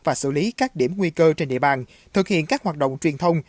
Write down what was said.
và xử lý các điểm nguy cơ trên địa bàn thực hiện các hoạt động truyền thông